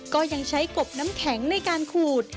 ก็ยังใช้กบน้ำแข็งในการขูด